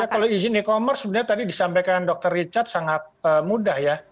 kalau izin e commerce sebenarnya tadi disampaikan dr richard sangat mudah ya